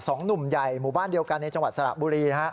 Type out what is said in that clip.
หนุ่มใหญ่หมู่บ้านเดียวกันในจังหวัดสระบุรีนะฮะ